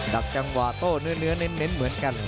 ดักจังหวะโต้เนื้อเน้นเหมือนกัน